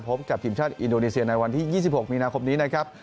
พบกับทีมชาติอินโดนีเซียในวันที่๒๖มีนาคมนี้นะครับ